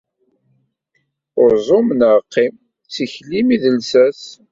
Uẓum neɣ qqim, d tikli-m i d lsas.